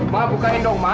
ma bukain dong ma